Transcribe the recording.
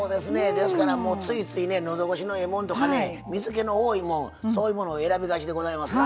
ですからついついねのどごしのええもんとかね水けの多いもんそういうものを選びがちでございますが。